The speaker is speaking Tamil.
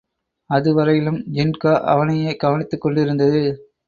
அதுவரையிலும் ஜின்கா அவனையே கவனித்துக்கொண்டிருந்தது.